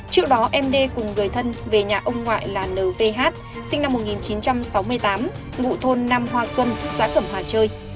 trước đó md cùng người thân về nhà ông ngoại là nvh sinh năm một nghìn chín trăm sáu mươi tám ngụ thôn nam hoa xuân xã cầm hà trơi